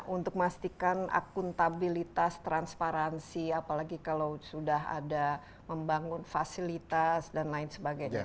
untuk memastikan akuntabilitas transparansi apalagi kalau sudah ada membangun fasilitas dan lain sebagainya